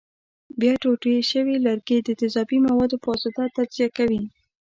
بیا ټوټې شوي لرګي د تیزابي موادو په واسطه تجزیه کوي.